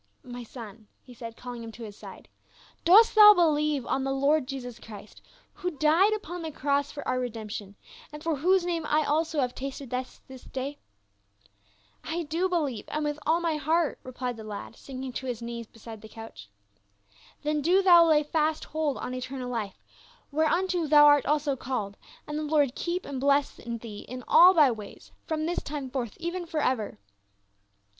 " My son," he said, calling him to his side, " dost thou believe on the Lord Jesus Christ who died upon the cross for our redemption, and for whose name I also have tasted death this day ?"" I do believe, and with all my heart," replied the lad, sinking to his knees beside the couch. " Then do thou lay fast hold on eternal life, wherc unto thou art also called, and the Lord keep and bless thee in all thy ways from this time forth, e\en forever."